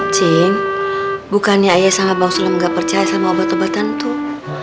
cin bukannya ayah sama bang sulem gak percaya sama obat obatan tuh